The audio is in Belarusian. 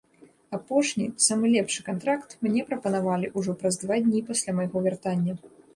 Апошні, самы лепшы кантракт мне прапанавалі ўжо праз два дні пасля майго вяртання.